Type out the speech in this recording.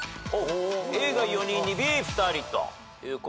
Ａが４人にＢ２人ということで。